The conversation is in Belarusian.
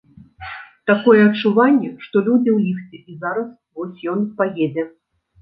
Такое адчуванне, што людзі ў ліфце і зараз вось ён паедзе.